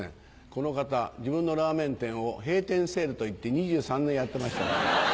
この方自分のラーメン店を閉店セールといって２３年やってましたから。